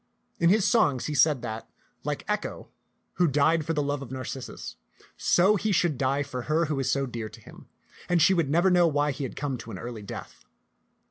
In his songs he said that, like Echo, who 190 ti}t ^xanUm'^ taU died for the love of Narcissus, so he should die for her who was so dear to him; and she would never know why he had come to an early death.